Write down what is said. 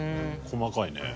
細かいね。